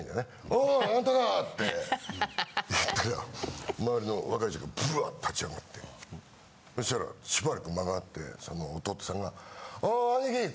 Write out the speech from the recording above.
おいなんとか！って言って周りの若い人がブワッて立ち上がってそしたらしばらく間があってその弟さんが「おい」。